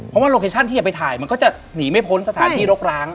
เพราะว่าโลเคชั่นที่จะไปถ่ายมันก็จะหนีไม่พ้นสถานที่รกร้าง